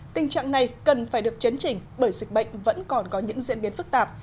tình trạng này cần phải được chấn chỉnh bởi dịch bệnh vẫn còn có những diễn biến phức tạp